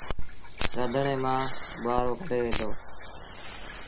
رڌڻي مآݩ ٻوهآريٚ ڪڍي دو۔